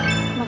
ini buat lo